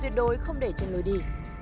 tuyệt đối không để trên lối đi